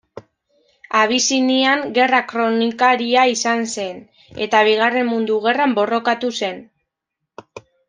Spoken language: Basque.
Abisinian gerra-kronikaria izan zen, eta Bigarren Mundu Gerran borrokatu zen.